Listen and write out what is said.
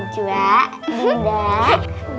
nah cua ini udah